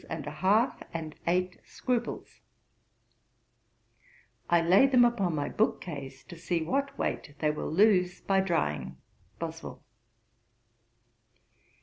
and a half, and eight scruples: I lay them upon my book case, to see what weight they will lose by drying.' BOSWELL.